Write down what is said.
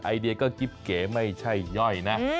ไอเดียก็กิ๊บเก๋ไม่ใช่ย่อยนะ